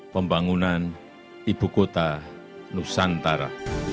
pembangunan ibu kota nusantara